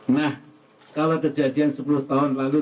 nah kalau kejadian sepuluh tahun lalu